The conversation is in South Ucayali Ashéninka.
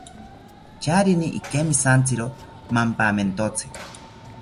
Charini ikemijantziro mampamentotzi